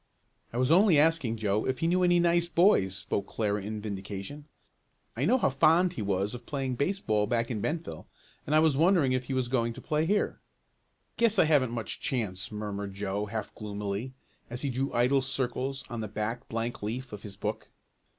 "I was only asking Joe if he knew any nice boys," spoke Clara in vindication. "I know how fond he was of playing baseball back in Bentville, and I was wondering if he was going to play here." "Guess I haven't much chance," murmured Joe half gloomily, as he drew idle circles on the back blank leaf of his book.